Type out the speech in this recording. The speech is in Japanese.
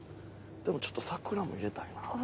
でもちょっと桜も入れたいな。